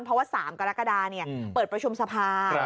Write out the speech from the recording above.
เพราะสามกรกฎาเปิดประชุมทรภาพ